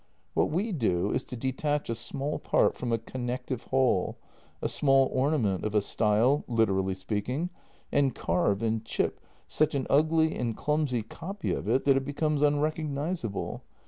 " What we do is to detach a small part from a connective whole — a single ornament of a style, literally speaking — and carve and chip such an ugly and clumsy copy of it that it becomes unrecognizable.